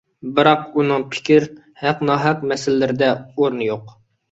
بىراق ئۆنىڭ «پىكىر» «ھەق-ناھەق» مەسىلىلىرىدە ئورنى يوق.